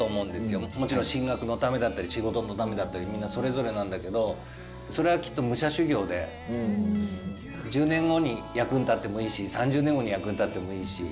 もちろん進学のためだったり仕事のためだったりみんなそれぞれなんだけどそれはきっと武者修行で１０年後に役に立ってもいいし３０年後に役に立ってもいいし。